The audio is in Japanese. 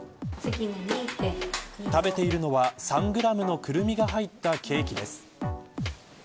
食べているのは３グラムのクルミが入ったケーキです。